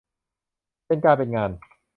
เป็นการเป็นงาน